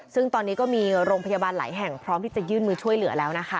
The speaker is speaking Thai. ซึ่งตอนนี้ก็มีโรงพยาบาลหลายแห่งพร้อมที่จะยื่นมือช่วยเหลือแล้วนะคะ